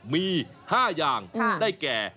มี๕อย่างได้แก่